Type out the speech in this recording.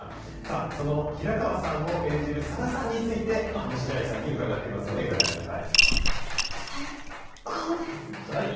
その平川さんを演じるさださんについて、上白石さんに伺っていますので、ご覧ください。